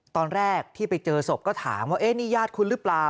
ตอนแรกที่ไปเจอศพก็ถามว่านี่ญาติคุณหรือเปล่า